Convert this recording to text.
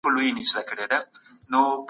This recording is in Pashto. شکنجه کول په کلکه منع وو.